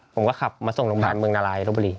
ผมก็ขับมาส่งโรงพยาบาลเมืองนารายลบบุรี